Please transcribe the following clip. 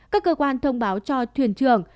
các cơ quan thông báo cho thuyền trường